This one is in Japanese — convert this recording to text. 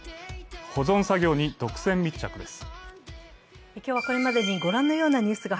保存作業に独占密着です。